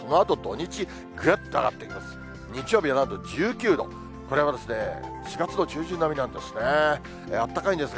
日曜日はなんと１９度、これは４月の中旬並みなんですね。